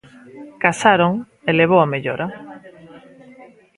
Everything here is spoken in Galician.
Casaron e levou a mellora